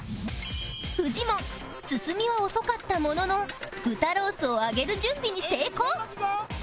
フジモン進みは遅かったものの豚ロースを揚げる準備に成功